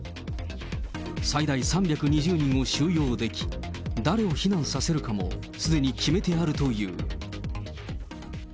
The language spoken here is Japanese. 最大３２０人を収容でき、誰を避難させるかもすでに決めてあるという。